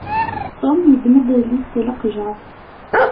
Tom yeddem-d adlis seg leqjer?